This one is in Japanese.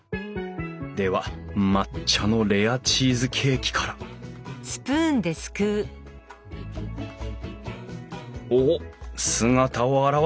では抹茶のレアチーズケーキからおっ姿を現したね